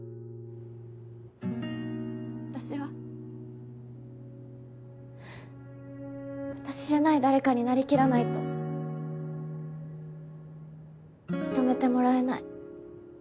私は私じゃない誰かになりきらないと認めてもらえない。